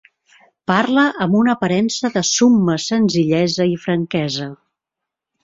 Parla amb una aparença de summa senzillesa i franquesa.